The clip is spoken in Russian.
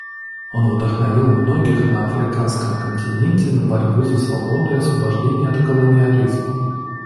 Он вдохновил многих на Африканском континенте на борьбу за свободу и освобождение от колониализма.